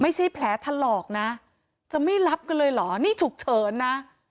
ไม่ใช่แผลถลอกนะจะไม่รับกันเลยเหรอนี่ฉุกเฉินนะ